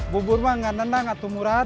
bubur mah gak nena ngak tuh murad